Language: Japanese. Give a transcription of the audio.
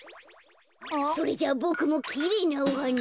それじゃあボクもきれいなおはなを。